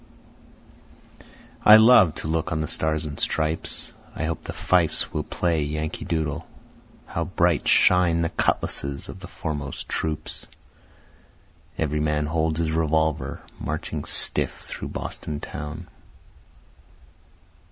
I love to look on the Stars and Stripes, I hope the fifes will play Yankee Doodle. How bright shine the cutlasses of the foremost troops! Every man holds his revolver, marching stiff through Boston town.